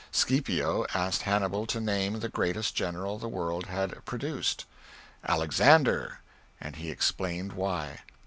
Scipio asked Hannibal to name the greatest general the world had produced. "Alexander" and he explained why.